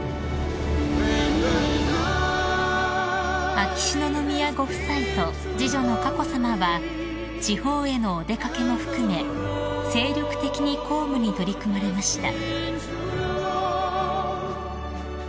［秋篠宮ご夫妻と次女の佳子さまは地方へのお出掛けも含め精力的に公務に取り組まれました］